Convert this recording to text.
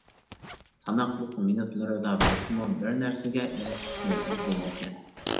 ساناقلىق مىنۇتلىرىدا بولسىمۇ بىر نەرسىگە ئېرىشىشنى ئىزدەيدىكەن.